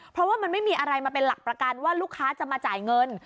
เพราะว่ามันไม่มีอะไรมาเป็นหลักประกันว่าลูกค้าจะมาจ่ายเงิน